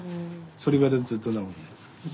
それからずっとなので。